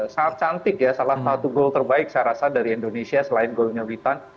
sangat cantik ya salah satu gol terbaik saya rasa dari indonesia selain golnya witan